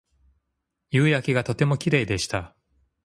夕焼けがとてもきれいでした。